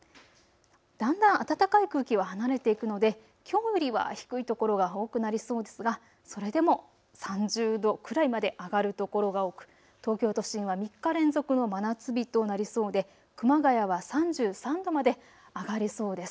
だんだん暖かい空気は離れていくのできょうよりは低い所が多くなりそうですがそれでも３０度くらいまで上がる所が多く、東京都心は３日連続の真夏日となりそうで、熊谷は３３度まで上がりそうです。